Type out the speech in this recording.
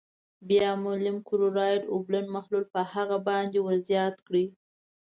بیا المونیم کلورایډ اوبلن محلول په هغه باندې ور زیات کړئ.